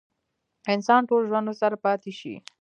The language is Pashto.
انسان ټول ژوند ورسره پاتې شي.